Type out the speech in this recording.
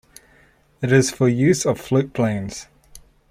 It is for use of float planes.